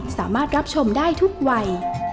สามารถรับชมได้ทุกวัย